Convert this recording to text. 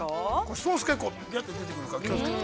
◆ソース結構ぴゃと出てくるから気をつけて。